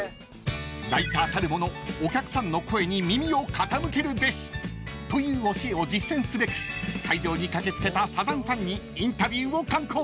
［ライターたる者お客さんの声に耳を傾けるべしという教えを実践すべく会場に駆け付けたサザンファンにインタビューを敢行］